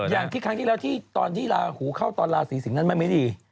อย่างที่ครั้งที่แล้วที่ตอนที่ลาหูเข้าตอนราศีสิงศ์นั้นมันไม่ดี